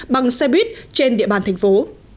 bằng xe buýt trên địa bàn thành phố